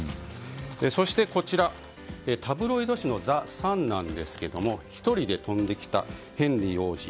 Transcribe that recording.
そして、タブロイド紙のザ・サンなんですが１人で飛んできたヘンリー王子。